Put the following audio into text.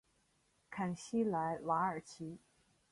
坎西莱瓦尔齐。